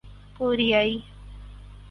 کوریائی